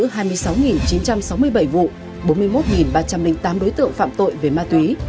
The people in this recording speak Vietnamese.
bốn mươi một ba trăm linh tám đối tượng phạm tội về ma túy triệt xóa bốn trăm một mươi bảy điểm bốn mươi ba tụ điểm phức tạp về ma túy